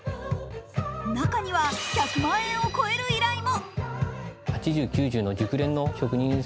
中には１００万円を超える依頼も。